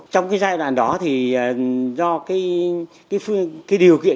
trong cái giai đoạn đó thì do cái điều kiện